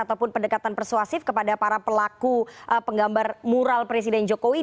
ataupun pendekatan persuasif kepada para pelaku penggambar mural presiden jokowi